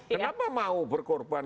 kenapa mau berkorban